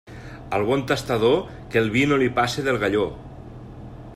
Al bon tastador, que el vi no li passe del galló.